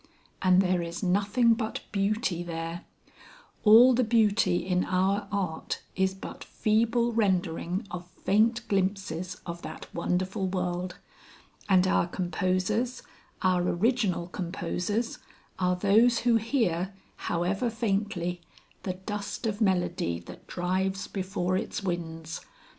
And there is nothing but Beauty there all the beauty in our art is but feeble rendering of faint glimpses of that wonderful world, and our composers, our original composers, are those who hear, however faintly, the dust of melody that drives before its winds.